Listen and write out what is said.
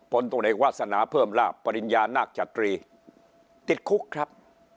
ผลตรวจเอกวาสนาเพิ่มลาบปริญญานาคจตรีติดคุกครับ